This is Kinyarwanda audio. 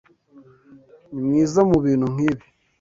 Ni mwiza mubintu nkibi.